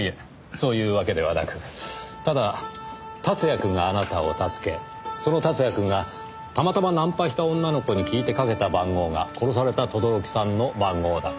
そういうわけではなくただ竜也くんがあなたを助けその竜也くんがたまたまナンパした女の子に聞いてかけた番号が殺された轟さんの番号だった。